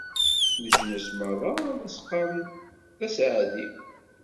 Leǧnas merra ad as-qqaren: d aseɛdi!